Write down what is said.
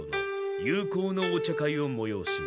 友好のお茶会をもよおします。